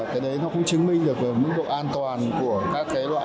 cái đấy nó cũng chứng minh được mức độ an toàn của các cái loại